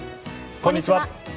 こんにちは。